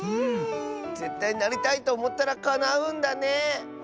ぜったいなりたいとおもったらかなうんだね！